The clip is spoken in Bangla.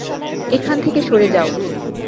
এখান থেকে সরে যাও!